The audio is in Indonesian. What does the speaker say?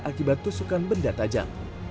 akibat tusukan benda tajam